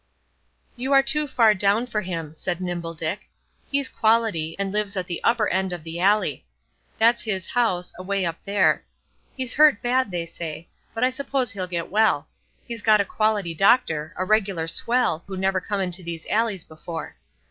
"You are too far down for him," said Nimble Dick. "He's quality, and lives at the upper end of the alley. That's his house, away up there. He's hurt bad, they say; but I s'pose he'll get well. He's got a quality doctor, a regular swell, who never come into these alleys before.